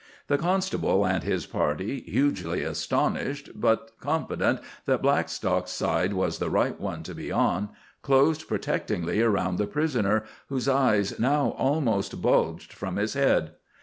The constable and his party, hugely astonished, but confident that Blackstock's side was the right one to be on, closed protectingly around the prisoner, whose eyes now almost bulged from his head.